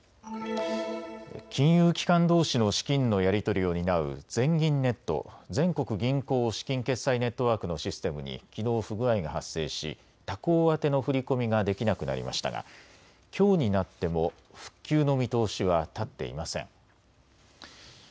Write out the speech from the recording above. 金融機関どうしの資金のやり取りを担う全銀ネット・全国銀行資金決済ネットワークのシステムにきのう不具合が発生し他行宛の振り込みができなくなりましたがきょうになっても復旧の見通しは立っていません。